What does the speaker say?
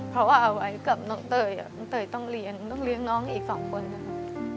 เพราะว่าเอาไว้กับน้องเตยต้องเรียนน้องอีก๒คนนะครับ